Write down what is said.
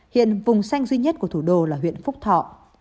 hiện vùng xanh duy nhất của thủ đô là huyện phúc thọ